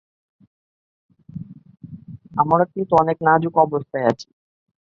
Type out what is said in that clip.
আমরা কিন্তু অনেক নাজুক অবস্থায় আছি।